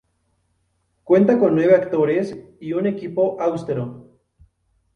Cuenta con nueve actores y un equipo austero.